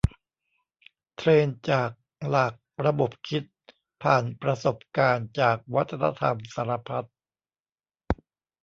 เทรนจากหลากระบบคิด ผ่านประสบการณ์จากวัฒนธรรมสารพัด